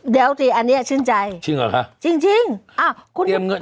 เดี๋ยวสิอันนี้ชื่นใจจริงเหรอคะจริงจริงอ้าวคุณเตรียมเงิน